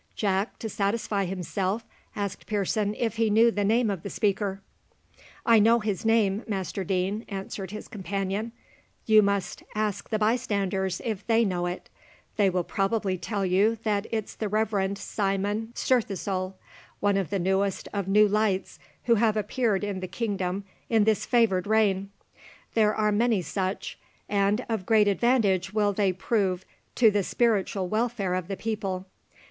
Jack, to satisfy himself, asked Pearson if he knew the name of the speaker. "I know his name, Master Deane," answered his companion: "you must ask the bystanders if they know it. They will probably tell you that it's the Reverend Simon Stirthesoul, one of the newest of new lights who have appeared in the kingdom in this favoured reign. There are many such; and of great advantage will they prove to the spiritual welfare of the people.